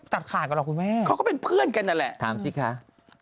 ถามสิค่ะ